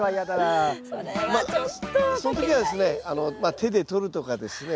そん時はですね手で捕るとかですね